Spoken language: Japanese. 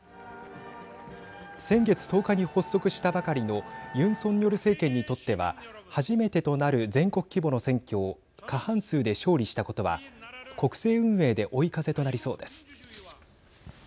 先月１０日に発足したばかりのユン・ソンニョル政権にとっては初めてとなる全国規模の選挙を過半数で勝利したことは国政運営で追い風となりそうです。